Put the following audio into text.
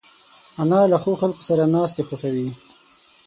انا له ښو خلکو سره ناستې خوښوي